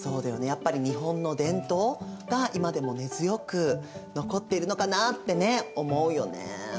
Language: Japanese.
やっぱり日本の伝統が今でも根強く残っているのかなってね思うよね。